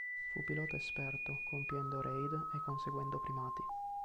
Fu pilota esperto compiendo raid e conseguendo primati.